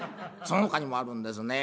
そのほかにもあるんですね